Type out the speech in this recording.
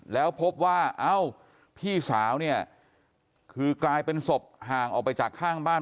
แล้วพบว่าเอ้าพี่สาวเนี่ยคือกลายเป็นศพห่างออกไปจากข้างบ้าน